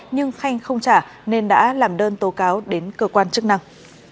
nhưng khanh không trả nên đã làm đơn tố cáo đến cơ quan chức năng